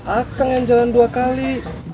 akan yang jalan dua kali